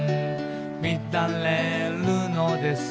「みだれるのです」